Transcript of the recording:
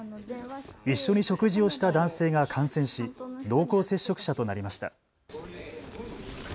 一緒に食事をした男性が感染し濃厚接触者となりました。